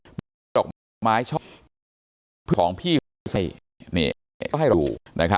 แล้วก็รอกไม้ช่องเพื่อนของพี่เสมอให้ดู